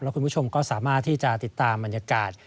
คุณผู้ชมก็สามารถที่จะติดตามบรรยากาศ